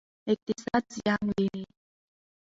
اقتصاد زیان ویني.